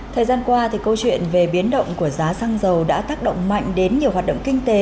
thời gian qua câu chuyện về biến động của giá xăng dầu đã tác động mạnh đến nhiều hoạt động kinh tế